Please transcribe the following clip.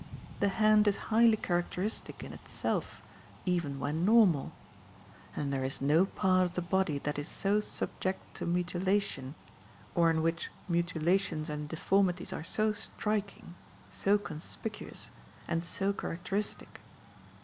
The hand is highly characteristic in itself even when normal; and there is no part of the body that is so subject to mutilation or in which mutilations and deformities are so striking, so conspicuous, and so characteristic.